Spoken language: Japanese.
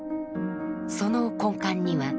その根幹には「道」。